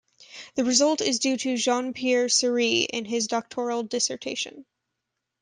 The result is due to Jean-Pierre Serre in his doctoral dissertation.